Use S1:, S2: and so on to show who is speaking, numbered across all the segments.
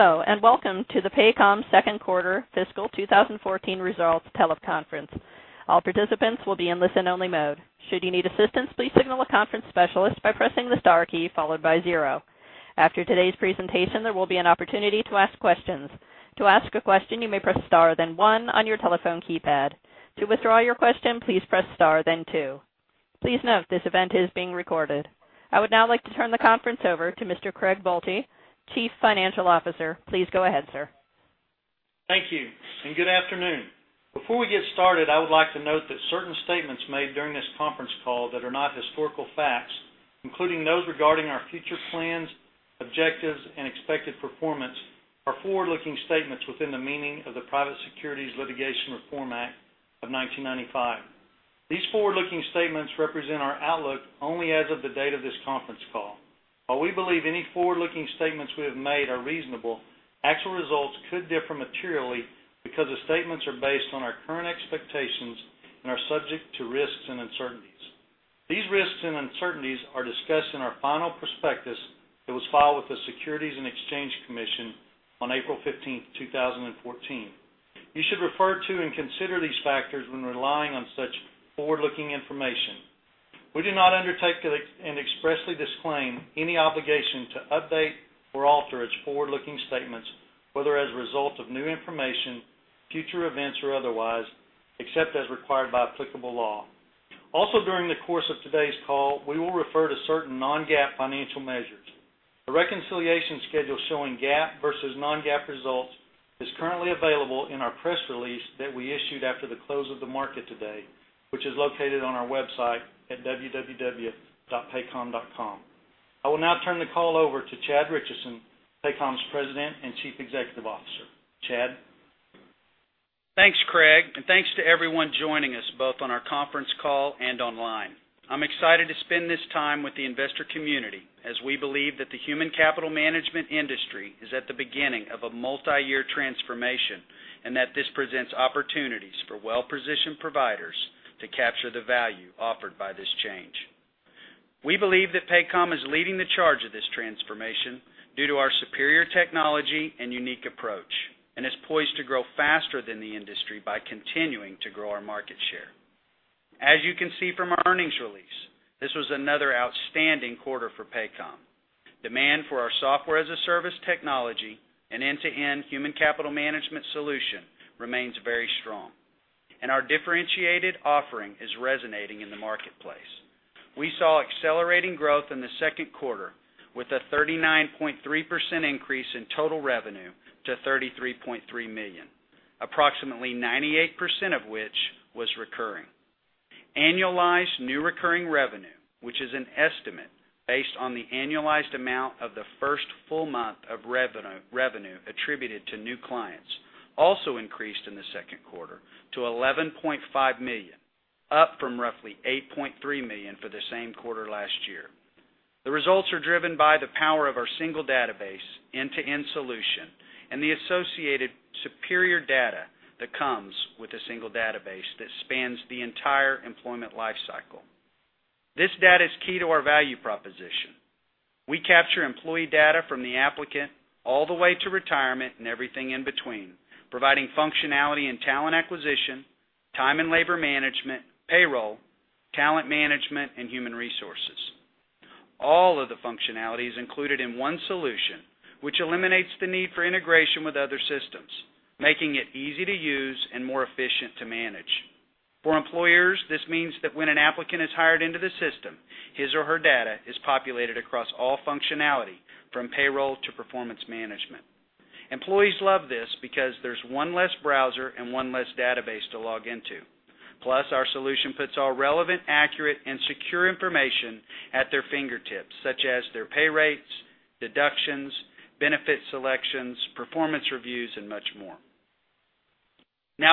S1: Hello, and welcome to the Paycom second quarter fiscal 2014 results teleconference. All participants will be in listen-only mode. Should you need assistance, please signal a conference specialist by pressing the star key followed by zero. After today's presentation, there will be an opportunity to ask questions. To ask a question, you may press star then one on your telephone keypad. To withdraw your question, please press star then two. Please note this event is being recorded. I would now like to turn the conference over to Mr. Craig Boelte, Chief Financial Officer. Please go ahead, sir.
S2: Thank you, and good afternoon. Before we get started, I would like to note that certain statements made during this conference call that are not historical facts, including those regarding our future plans, objectives, and expected performance, are forward-looking statements within the meaning of the Private Securities Litigation Reform Act of 1995. These forward-looking statements represent our outlook only as of the date of this conference call. While we believe any forward-looking statements we have made are reasonable, actual results could differ materially because the statements are based on our current expectations and are subject to risks and uncertainties. These risks and uncertainties are discussed in our final prospectus that was filed with the Securities and Exchange Commission on April 15th, 2014. You should refer to and consider these factors when relying on such forward-looking information. We do not undertake and expressly disclaim any obligation to update or alter its forward-looking statements, whether as a result of new information, future events, or otherwise, except as required by applicable law. Also, during the course of today's call, we will refer to certain non-GAAP financial measures. A reconciliation schedule showing GAAP versus non-GAAP results is currently available in our press release that we issued after the close of the market today, which is located on our website at www.paycom.com. I will now turn the call over to Chad Richison, Paycom's President and Chief Executive Officer. Chad?
S3: Thanks, Craig, and thanks to everyone joining us both on our conference call and online. I'm excited to spend this time with the investor community as we believe that the human capital management industry is at the beginning of a multiyear transformation, and that this presents opportunities for well-positioned providers to capture the value offered by this change. We believe that Paycom is leading the charge of this transformation due to our superior technology and unique approach and is poised to grow faster than the industry by continuing to grow our market share. As you can see from our earnings release, this was another outstanding quarter for Paycom. Demand for our software-as-a-service technology and end-to-end human capital management solution remains very strong and our differentiated offering is resonating in the marketplace. We saw accelerating growth in the second quarter with a 39.3% increase in total revenue to $33.3 million, approximately 98% of which was recurring. Annualized new recurring revenue, which is an estimate based on the annualized amount of the first full month of revenue attributed to new clients, also increased in the second quarter to $11.5 million, up from roughly $8.3 million for the same quarter last year. The results are driven by the power of our single database end-to-end solution and the associated superior data that comes with a single database that spans the entire employment lifecycle. This data is key to our value proposition. We capture employee data from the applicant all the way to retirement and everything in between, providing functionality and talent acquisition, time and labor management, payroll, talent management, and human resources. All of the functionalities included in one solution, which eliminates the need for integration with other systems, making it easy to use and more efficient to manage. For employers, this means that when an applicant is hired into the system, his or her data is populated across all functionality from payroll to performance management. Employees love this because there's one less browser and one less database to log into. Plus, our solution puts all relevant, accurate, and secure information at their fingertips, such as their pay rates, deductions, benefit selections, performance reviews, and much more.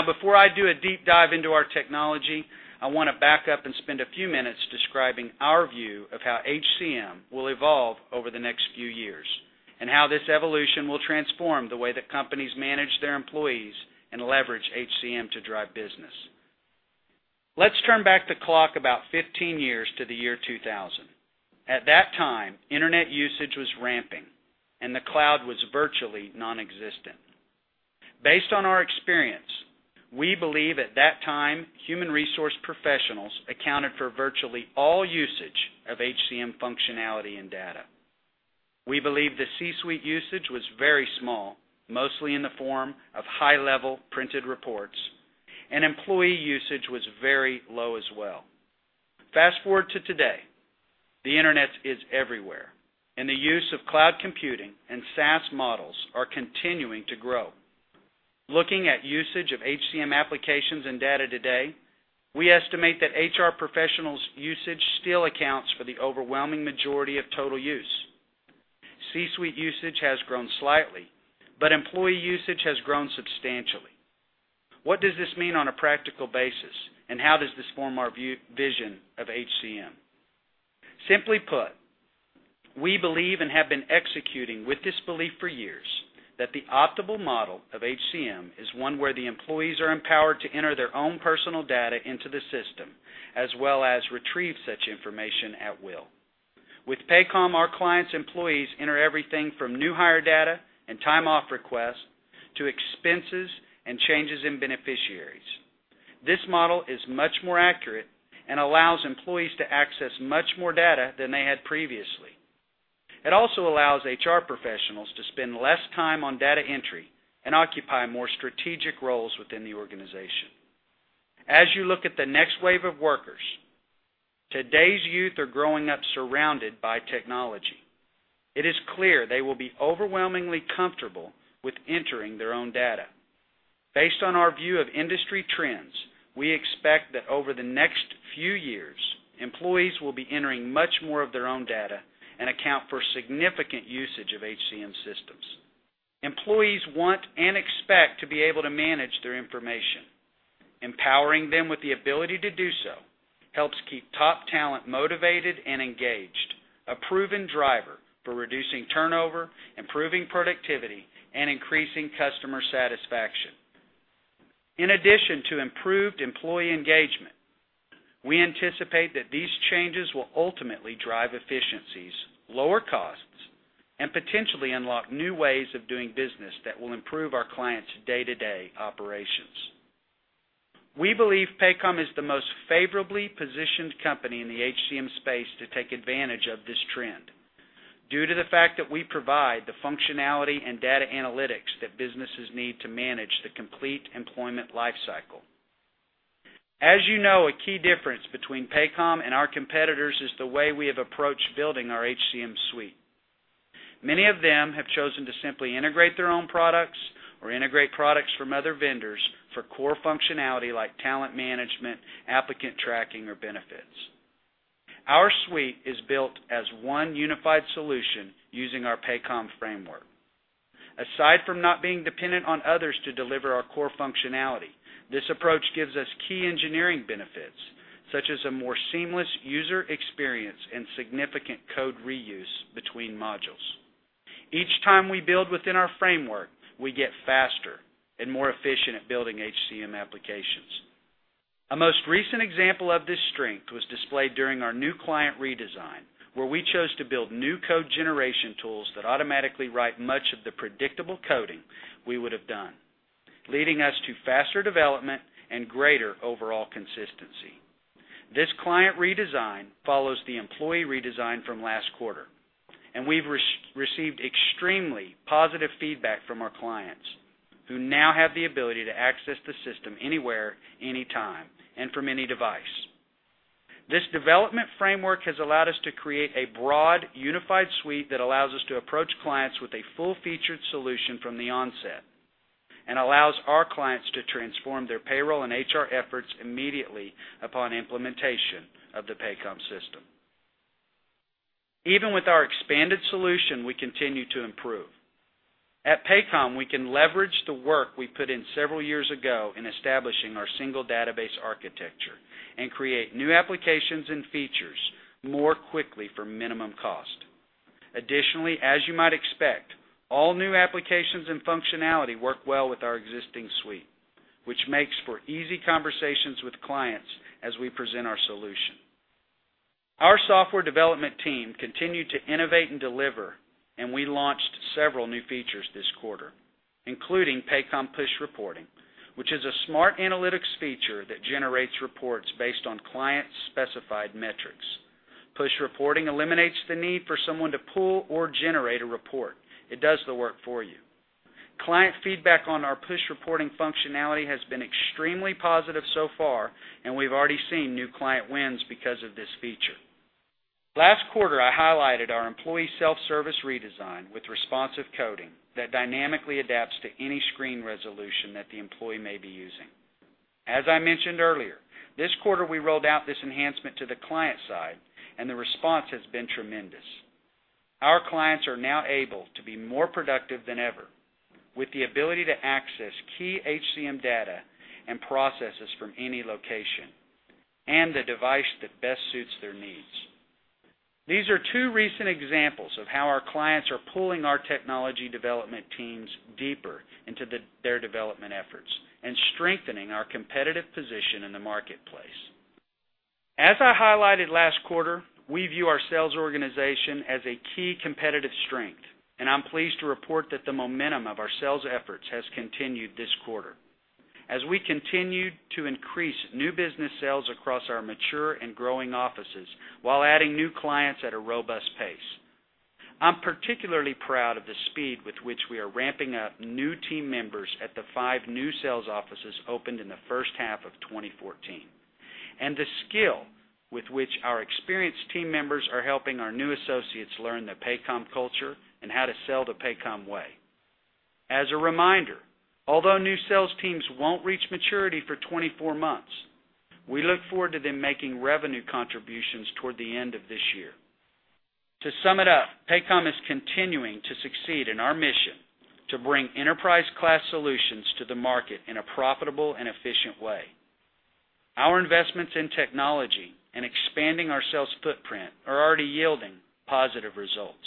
S3: Before I do a deep dive into our technology, I want to back up and spend a few minutes describing our view of how HCM will evolve over the next few years and how this evolution will transform the way that companies manage their employees and leverage HCM to drive business. Let's turn back the clock about 15 years to the year 2000. At that time, internet usage was ramping and the cloud was virtually nonexistent. Based on our experience, we believe at that time, human resource professionals accounted for virtually all usage of HCM functionality and data. We believe the C-suite usage was very small, mostly in the form of high-level printed reports, and employee usage was very low as well. Fast-forward to today, the internet is everywhere and the use of cloud computing and SaaS models are continuing to grow. Looking at usage of HCM applications and data today, we estimate that HR professionals usage still accounts for the overwhelming majority of total use. C-suite usage has grown slightly, but employee usage has grown substantially. What does this mean on a practical basis, and how does this form our vision of HCM? Simply put, we believe and have been executing with this belief for years that the optimal model of HCM is one where the employees are empowered to enter their own personal data into the system as well as retrieve such information at will. With Paycom, our clients' employees enter everything from new hire data and time-off requests to expenses and changes in beneficiaries. This model is much more accurate and allows employees to access much more data than they had previously. It also allows HR professionals to spend less time on data entry and occupy more strategic roles within the organization. As you look at the next wave of workers, today's youth are growing up surrounded by technology. It is clear they will be overwhelmingly comfortable with entering their own data. Based on our view of industry trends, we expect that over the next few years, employees will be entering much more of their own data and account for significant usage of HCM systems. Employees want and expect to be able to manage their information. Empowering them with the ability to do so helps keep top talent motivated and engaged, a proven driver for reducing turnover, improving productivity, and increasing customer satisfaction. In addition to improved employee engagement, we anticipate that these changes will ultimately drive efficiencies, lower costs, and potentially unlock new ways of doing business that will improve our clients' day-to-day operations. We believe Paycom is the most favorably positioned company in the HCM space to take advantage of this trend due to the fact that we provide the functionality and data analytics that businesses need to manage the complete employment life cycle. As you know, a key difference between Paycom and our competitors is the way we have approached building our HCM suite. Many of them have chosen to simply integrate their own products or integrate products from other vendors for core functionality like talent management, applicant tracking, or benefits. Our suite is built as one unified solution using our Paycom framework. Aside from not being dependent on others to deliver our core functionality, this approach gives us key engineering benefits, such as a more seamless user experience and significant code reuse between modules. Each time we build within our framework, we get faster and more efficient at building HCM applications. A most recent example of this strength was displayed during our new client redesign, where we chose to build new code generation tools that automatically write much of the predictable coding we would have done, leading us to faster development and greater overall consistency. This client redesign follows the employee redesign from last quarter, and we've received extremely positive feedback from our clients who now have the ability to access the system anywhere, anytime, and from any device. This development framework has allowed us to create a broad, unified suite that allows us to approach clients with a full-featured solution from the onset, and allows our clients to transform their payroll and HR efforts immediately upon implementation of the Paycom system. Even with our expanded solution, we continue to improve. At Paycom, we can leverage the work we put in several years ago in establishing our single database architecture and create new applications and features more quickly for minimum cost. Additionally, as you might expect, all new applications and functionality work well with our existing suite, which makes for easy conversations with clients as we present our solution. Our software development team continued to innovate and deliver, and we launched several new features this quarter, including Paycom Push Reporting, which is a smart analytics feature that generates reports based on client-specified metrics. Push Reporting eliminates the need for someone to pull or generate a report. It does the work for you. Client feedback on our Push Reporting functionality has been extremely positive so far, and we've already seen new client wins because of this feature. Last quarter, I highlighted our employee self-service redesign with responsive coding that dynamically adapts to any screen resolution that the employee may be using. As I mentioned earlier, this quarter we rolled out this enhancement to the client side, and the response has been tremendous. Our clients are now able to be more productive than ever with the ability to access key HCM data and processes from any location and the device that best suits their needs. These are two recent examples of how our clients are pulling our technology development teams deeper into their development efforts and strengthening our competitive position in the marketplace. As I highlighted last quarter, we view our sales organization as a key competitive strength, and I'm pleased to report that the momentum of our sales efforts has continued this quarter as we continued to increase new business sales across our mature and growing offices while adding new clients at a robust pace. I'm particularly proud of the speed with which we are ramping up new team members at the five new sales offices opened in the first half of 2014, and the skill with which our experienced team members are helping our new associates learn the Paycom culture and how to sell the Paycom way. As a reminder, although new sales teams won't reach maturity for 24 months, we look forward to them making revenue contributions toward the end of this year. To sum it up, Paycom is continuing to succeed in our mission to bring enterprise-class solutions to the market in a profitable and efficient way. Our investments in technology and expanding our sales footprint are already yielding positive results.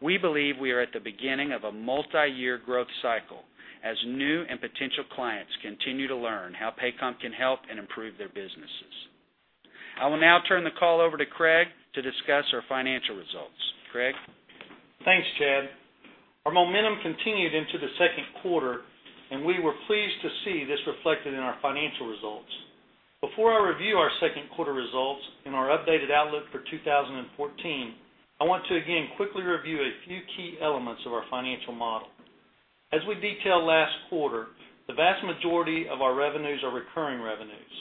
S3: We believe we are at the beginning of a multi-year growth cycle as new and potential clients continue to learn how Paycom can help and improve their businesses. I will now turn the call over to Craig to discuss our financial results. Craig?
S2: Thanks, Chad. Our momentum continued into the second quarter, and we were pleased to see this reflected in our financial results. Before I review our second quarter results and our updated outlook for 2014, I want to again quickly review a few key elements of our financial model. As we detailed last quarter, the vast majority of our revenues are recurring revenues.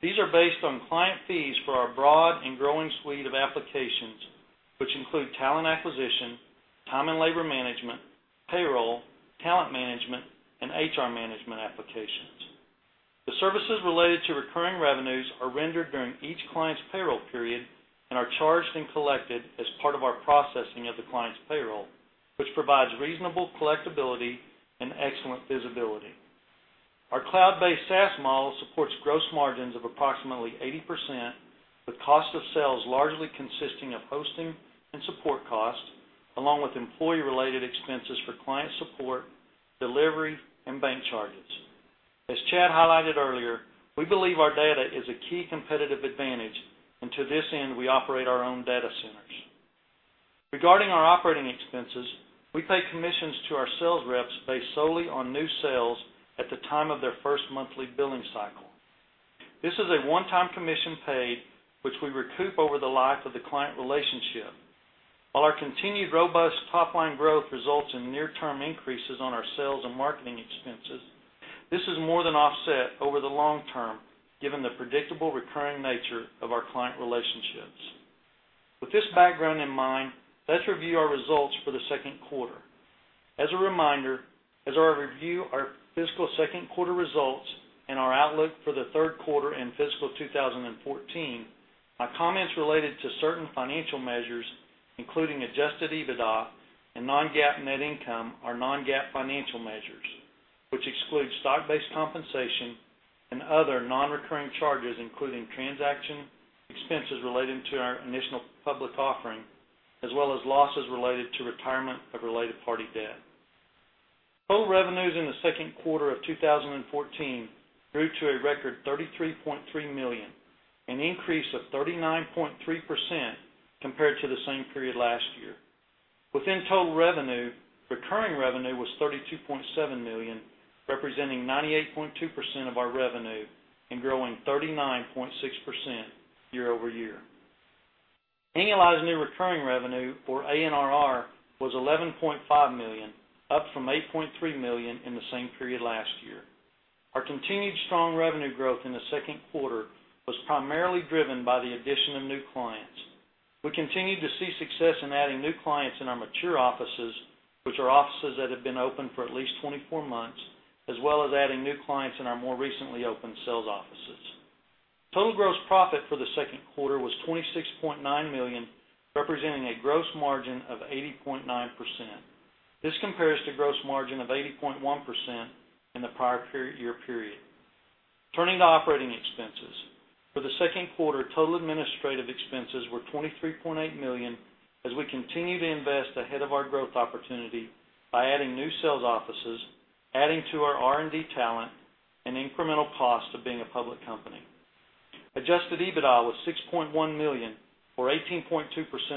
S2: These are based on client fees for our broad and growing suite of applications, which include talent acquisition, time and labor management, payroll, talent management, and HR management applications. The services related to recurring revenues are rendered during each client's payroll period, and are charged and collected as part of our processing of the client's payroll, which provides reasonable collectability and excellent visibility. Our cloud-based SaaS model supports gross margins of approximately 80%, with cost of sales largely consisting of hosting and support costs, along with employee-related expenses for client support, delivery, and bank charges. As Chad highlighted earlier, we believe our data is a key competitive advantage, and to this end, we operate our own data centers. Regarding our operating expenses, we pay commissions to our sales reps based solely on new sales at the time of their first monthly billing cycle. This is a one-time commission paid, which we recoup over the life of the client relationship. While our continued robust top-line growth results in near-term increases on our sales and marketing expenses, this is more than offset over the long term, given the predictable recurring nature of our client relationships. With this background in mind, let's review our results for the second quarter. As a reminder, as I review our fiscal second quarter results and our outlook for the third quarter and fiscal 2014, my comments related to certain financial measures, including adjusted EBITDA and non-GAAP net income, are non-GAAP financial measures, which exclude stock-based compensation and other non-recurring charges, including transaction expenses related to our initial public offering, as well as losses related to retirement of related party debt. Total revenues in the second quarter of 2014 grew to a record $33.3 million, an increase of 39.3% compared to the same period last year. Within total revenue, recurring revenue was $32.7 million, representing 98.2% of our revenue, and growing 39.6% year-over-year. Annualized new recurring revenue, or ANRR, was $11.5 million, up from $8.3 million in the same period last year. Our continued strong revenue growth in the second quarter was primarily driven by the addition of new clients. We continued to see success in adding new clients in our mature offices, which are offices that have been open for at least 24 months, as well as adding new clients in our more recently opened sales offices. Total gross profit for the second quarter was $26.9 million, representing a gross margin of 80.9%. This compares to gross margin of 80.1% in the prior year period. Turning to operating expenses. For the second quarter, total administrative expenses were $23.8 million, as we continue to invest ahead of our growth opportunity by adding new sales offices, adding to our R&D talent, and incremental cost of being a public company. Adjusted EBITDA was $6.1 million, or 18.2%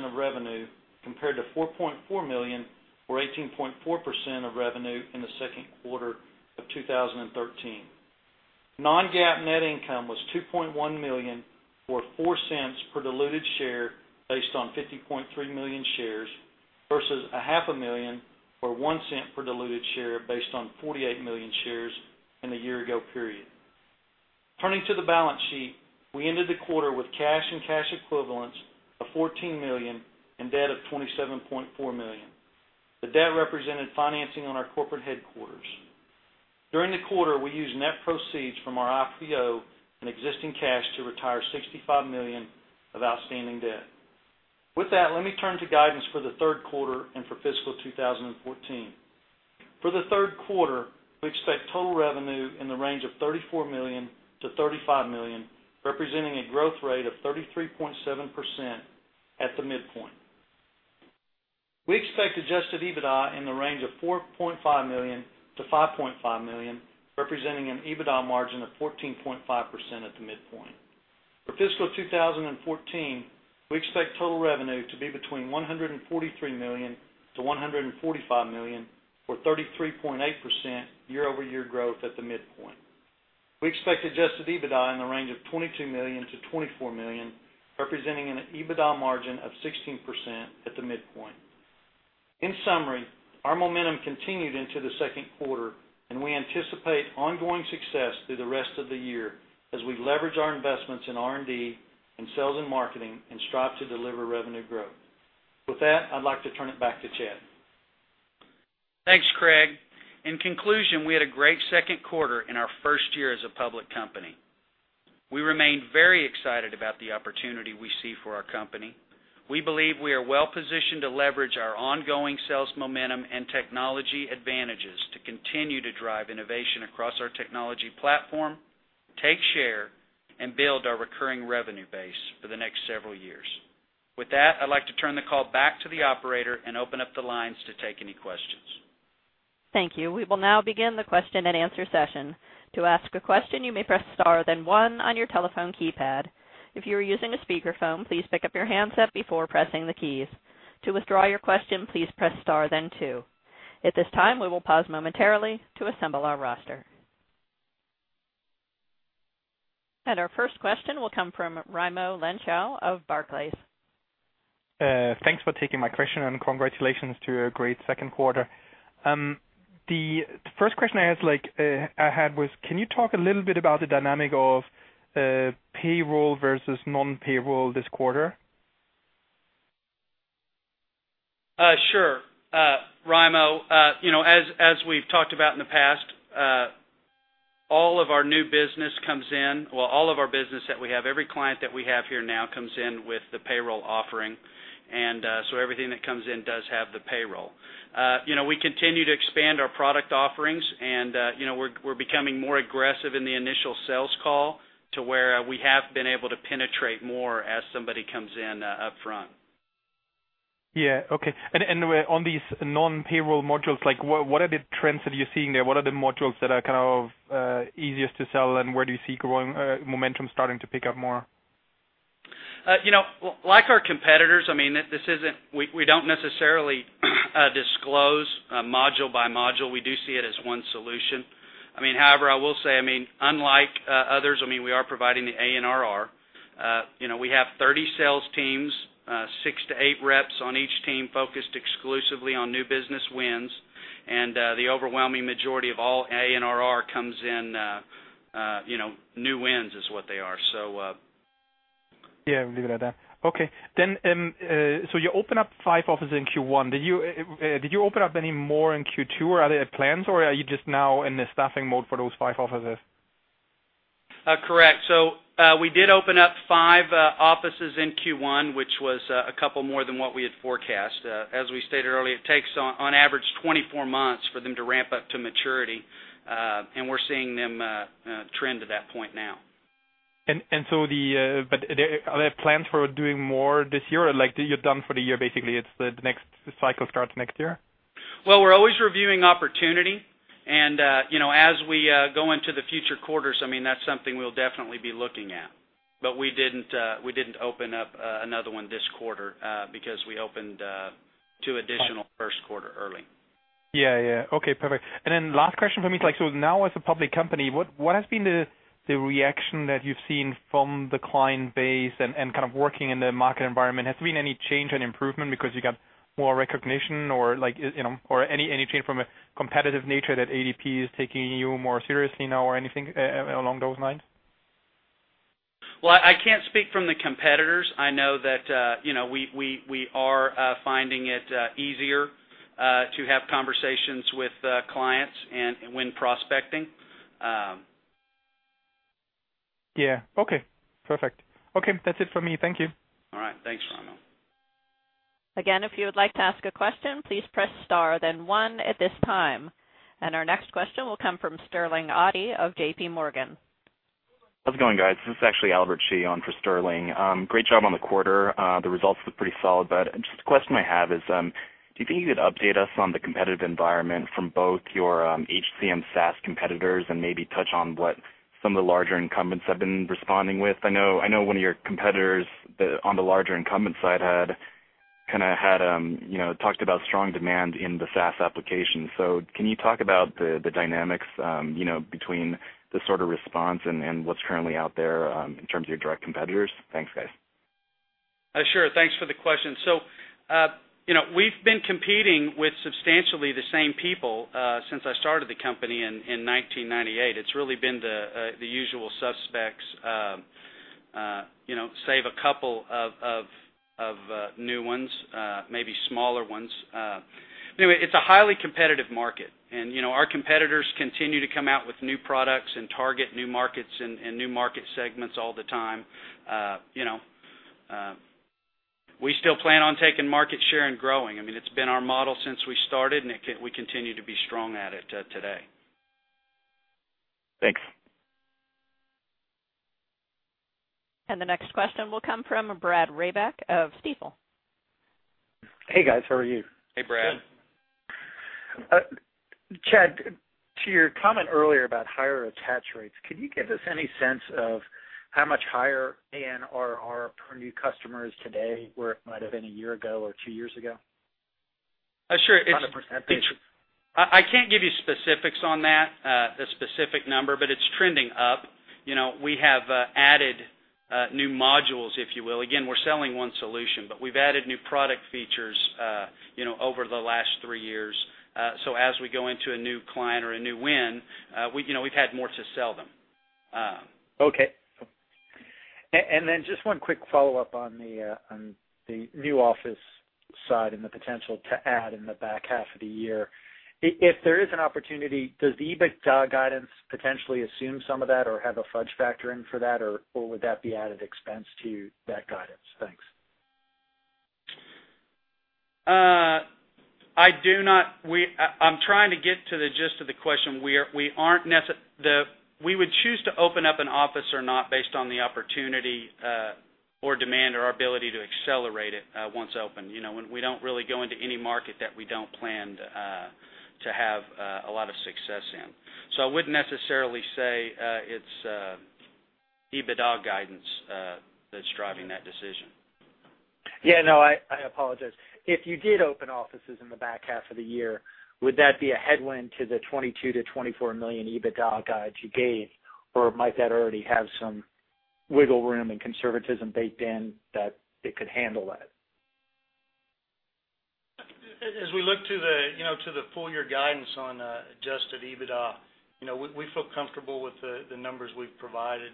S2: of revenue, compared to $4.4 million, or 18.4% of revenue in the second quarter of 2013. Non-GAAP net income was $2.1 million, or $0.04 per diluted share based on 50.3 million shares, versus a half a million, or $0.01 per diluted share based on 48 million shares in the year ago period. Turning to the balance sheet, we ended the quarter with cash and cash equivalents of $14 million and debt of $27.4 million. The debt represented financing on our corporate headquarters. During the quarter, we used net proceeds from our IPO and existing cash to retire $65 million of outstanding debt. With that, let me turn to guidance for the third quarter and for fiscal 2014. For the third quarter, we expect total revenue in the range of $34 million-$35 million, representing a growth rate of 33.7% at the midpoint. We expect adjusted EBITDA in the range of $4.5 million-$5.5 million, representing an EBITDA margin of 14.5% at the midpoint. For fiscal 2014, we expect total revenue to be between $143 million-$145 million, or 33.8% year-over-year growth at the midpoint. We expect adjusted EBITDA in the range of $22 million-$24 million, representing an EBITDA margin of 16% at the midpoint. In summary, our momentum continued into the second quarter, we anticipate ongoing success through the rest of the year as we leverage our investments in R&D and sales and marketing and strive to deliver revenue growth. With that, I'd like to turn it back to Chad.
S3: Thanks, Craig. In conclusion, we had a great second quarter in our first year as a public company. We remain very excited about the opportunity we see for our company. We believe we are well-positioned to leverage our ongoing sales momentum and technology advantages to continue to drive innovation across our technology platform, take share, and build our recurring revenue base for the next several years. With that, I'd like to turn the call back to the operator and open up the lines to take any questions.
S1: Thank you. We will now begin the question and answer session. To ask a question, you may press star then one on your telephone keypad. If you are using a speakerphone, please pick up your handset before pressing the keys. To withdraw your question, please press star then two. At this time, we will pause momentarily to assemble our roster. Our first question will come from Raimo Lenschow of Barclays.
S4: Thanks for taking my question. Congratulations to a great second quarter. The first question I had was, can you talk a little bit about the dynamic of payroll versus non-payroll this quarter?
S3: Sure. Raimo, as we've talked about in the past, all of our business that we have, every client that we have here now comes in with the payroll offering. Everything that comes in does have the payroll. We continue to expand our product offerings and we're becoming more aggressive in the initial sales call to where we have been able to penetrate more as somebody comes in upfront.
S4: Yeah. Okay. On these non-payroll modules, what are the trends that you're seeing there? What are the modules that are easiest to sell, and where do you see momentum starting to pick up more?
S3: Like our competitors, we don't necessarily disclose module by module. We do see it as one solution. However, I will say, unlike others, we are providing the ANRR. We have 30 sales teams, six to eight reps on each team focused exclusively on new business wins. The overwhelming majority of all ANRR comes in new wins, is what they are.
S4: Yeah, we'll leave it at that. Okay. You opened up five offices in Q1. Did you open up any more in Q2, or are there plans, or are you just now in the staffing mode for those five offices?
S3: Correct. We did open up five offices in Q1, which was a couple of more than what we had forecast. As we stated earlier, it takes on average 24 months for them to ramp up to maturity, and we're seeing them trend to that point now.
S4: Are there plans for doing more this year, or you're done for the year, basically? The next cycle starts next year?
S3: Well, we're always reviewing opportunity, and as we go into the future quarters, that's something we'll definitely be looking at. We didn't open up another one this quarter, because we opened two additional first quarter early.
S4: Yeah. Okay, perfect. Last question from me. Now as a public company, what has been the reaction that you've seen from the client base and working in the market environment? Has there been any change and improvement because you got more recognition or any change from a competitive nature that ADP is taking you more seriously now, or anything along those lines?
S3: Well, I can't speak from the competitors. I know that we are finding it easier to have conversations with clients and when prospecting.
S4: Yeah. Okay, perfect. Okay. That's it for me. Thank you.
S3: All right. Thanks, Raimo.
S1: If you would like to ask a question, please press star then one at this time. Our next question will come from Sterling Auty of JPMorgan.
S5: How's it going, guys? This is actually Albert Chi on for Sterling. Great job on the quarter. The results look pretty solid. Just a question I have is, do you think you could update us on the competitive environment from both your HCM SaaS competitors and maybe touch on what some of the larger incumbents have been responding with? I know one of your competitors on the larger incumbent side had talked about strong demand in the SaaS application. Can you talk about the dynamics between the sort of response and what's currently out there in terms of your direct competitors? Thanks, guys.
S3: Sure. Thanks for the question. We've been competing with substantially the same people since I started the company in 1998. It's really been the usual suspects, save a couple of new ones, maybe smaller ones. Anyway, it's a highly competitive market, and our competitors continue to come out with new products and target new markets and new market segments all the time. We still plan on taking market share and growing. It's been our model since we started, and we continue to be strong at it today.
S5: Thanks.
S1: The next question will come from Brad Reback of Stifel.
S6: Hey, guys. How are you?
S3: Hey, Brad.
S6: Good. Chad, to your comment earlier about higher attach rates, could you give us any sense of how much higher ANRR per new customer is today, where it might've been a year ago or two years ago?
S3: Sure.
S6: On a percentage.
S3: I can't give you specifics on that, a specific number, but it's trending up. We have added new modules, if you will. Again, we're selling one solution, but we've added new product features over the last three years. As we go into a new client or a new win, we've had more to sell them.
S6: Okay. Just one quick follow-up on the new office side and the potential to add in the back half of the year. If there is an opportunity, does the EBITDA guidance potentially assume some of that or have a fudge factor in for that, or would that be added expense to that guidance? Thanks.
S3: I'm trying to get to the gist of the question. We would choose to open up an office or not based on the opportunity or demand or our ability to accelerate it once opened. We don't really go into any market that we don't plan to have a lot of success in. I wouldn't necessarily say it's EBITDA guidance that's driving that decision.
S6: Yeah. No, I apologize. If you did open offices in the back half of the year, would that be a headwind to the $22 million-$24 million EBITDA guide you gave, or might that already have some wiggle room and conservatism baked in that it could handle that?
S3: As we look to the full-year guidance on adjusted EBITDA, we feel comfortable with the numbers we've provided,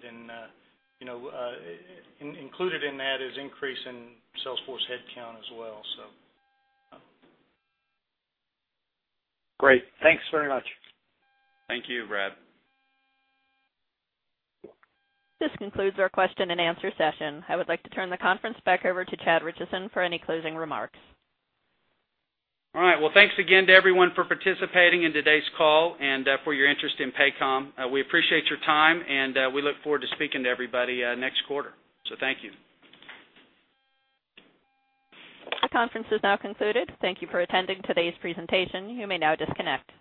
S3: included in that is increase in Salesforce headcount as well.
S6: Great. Thanks very much.
S3: Thank you, Brad.
S1: This concludes our question and answer session. I would like to turn the conference back over to Chad Richison for any closing remarks.
S3: All right. Well, thanks again to everyone for participating in today's call and for your interest in Paycom. We appreciate your time, and we look forward to speaking to everybody next quarter. Thank you.
S1: The conference is now concluded. Thank you for attending today's presentation. You may now disconnect.